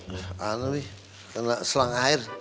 gak ada mi kena selang air